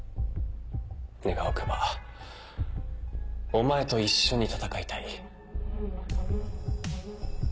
願わくばお前と一緒に戦いたい。